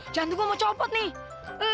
jangan tuh gue mau copot nih